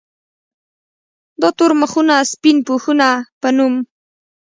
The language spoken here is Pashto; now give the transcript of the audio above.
د “ تور مخونه سپين پوښونه ” پۀ نوم